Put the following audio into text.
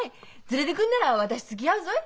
連れでぐんなら私つぎあうぞい。